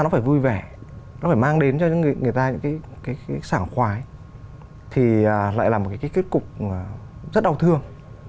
nó phải vui vẻ nó phải mang đến cho những người ta những cái sảng khoái thì lại là một cái kết cục rất đau thương